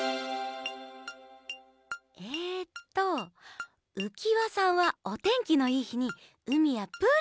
えっとうきわさんはおてんきのいいひにうみやプールにいくでしょ。